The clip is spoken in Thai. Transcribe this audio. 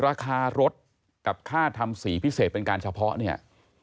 ราคารถกับค่าทำสีพิเศษเป็นการเฉพาะเนี่ย